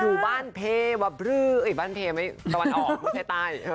อยู่บ้านเพวบรื้อเอ้ยบ้านเพวไม่ตะวันออกไม่ใช่ตาย